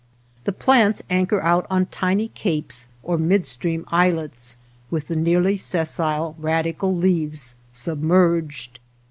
The plants anchor out on tiny capes, or mid stream islets, with the nearly sessile radicle leaves submerged.